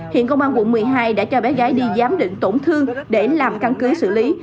hiện công an quận một mươi hai đã cho bé gái đi giám định tổn thương để làm căn cứ xử lý